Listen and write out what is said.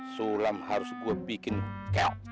sulam harus gua bikin keok